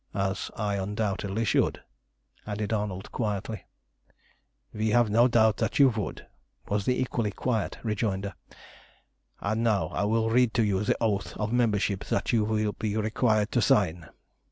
"As I undoubtedly should," added Arnold quietly. "We have no doubt that you would," was the equally quiet rejoinder. "And now I will read to you the oath of membership that you will be required to sign.